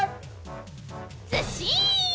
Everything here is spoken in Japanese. ずっしん！